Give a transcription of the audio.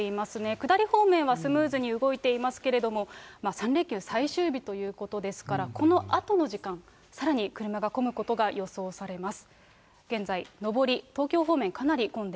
下りの面はスムーズに動いていますけれども、３連休最終日ということですから、このあとの時間、さらに車が混むことが予想されます。